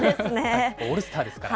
オールスターですから。